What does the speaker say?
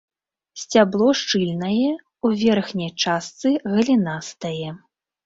Сцябло шчыльнае, у верхняй частцы галінастае.